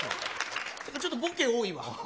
ちょっとボケ多いわ。